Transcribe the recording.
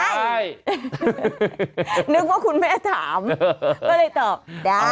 ใช่นึกว่าคุณแม่ถามก็เลยตอบได้